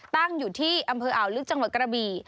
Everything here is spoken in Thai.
ตั้งอยู่ที่อำเภออ่าวลึกจังหวัดกระบี่